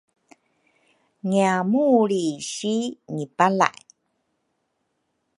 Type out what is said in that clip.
ngiamulri si ngipalay.